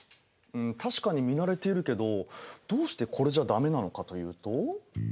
ん確かに見慣れているけどどうしてこれじゃダメなのかというと？